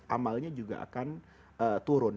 amalnya juga akan turun